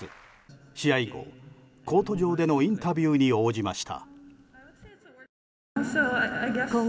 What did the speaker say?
試合後、コート上でのインタビューに応じました。